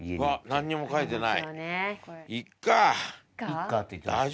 何にも書いてない。